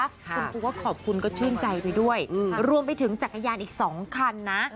คุณครูก็ขอบคุณก็ชื่นใจไปด้วยรวมไปถึงจักรยานอีก๒คันนะ